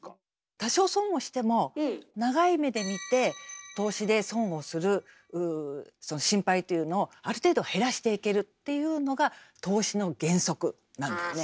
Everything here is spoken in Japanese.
多少損をしても長い目で見て投資で損をする心配というのをある程度減らしていけるっていうのが投資の原則なんだよね。